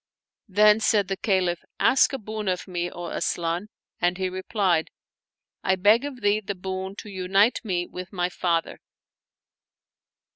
Then said the Caliph, " Ask a boon of me, O Asian !" and he replied, " I beg of thee the boon to unite me with my father."